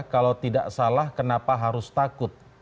kalau tidak salah kenapa harus takut